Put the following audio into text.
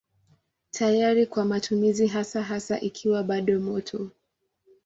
Tayari kwa matumizi hasa hasa ikiwa bado moto.